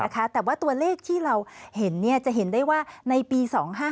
แต่ว่าตัวเลขที่เราเห็นจะเห็นได้ว่าในปี๒๕๕๙